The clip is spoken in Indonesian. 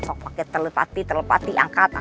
sok pakai telepati telepati angkat ah